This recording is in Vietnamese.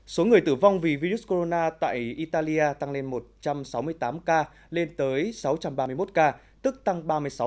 số người tử vong vì virus corona tại italia tăng lên một trăm sáu mươi tám ca lên tới sáu trăm ba mươi một ca tức tăng ba mươi sáu